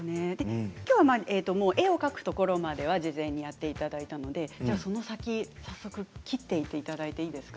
きょうは絵を描くところまでは事前にやっていただいたのでその先、早速切っていっていただいていいですか？